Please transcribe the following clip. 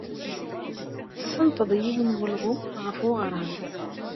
Tessenṭeḍ yiwen n welɣu ɣef weɣrab.